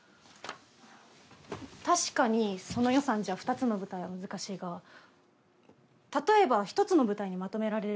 確かにその予算じゃ２つの舞台は難しいが例えば１つの舞台にまとめられれば。